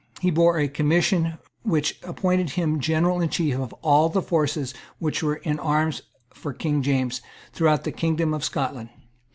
He bore a commission which appointed him general in chief of all the forces which were in arms for King James throughout the kingdom of Scotland.